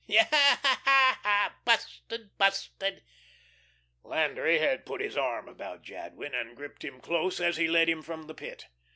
"Yah h h. Yah h h, busted, busted!" Landry had put his arm about Jadwin, and gripped him close as he led him from the Pit.